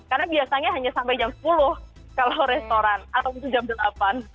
karena biasanya hanya sampai jam sepuluh kalau restoran atau jam delapan